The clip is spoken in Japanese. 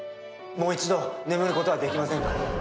もう一度眠ることはできませんか？